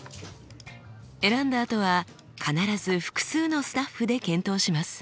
選んだあとは必ず複数のスタッフで検討します。